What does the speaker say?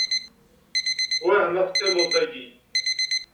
Wah ma teqqimeḍ dayi?